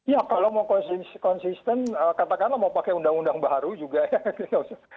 ya kalau mau konsisten katakanlah mau pakai undang undang baru juga ya gitu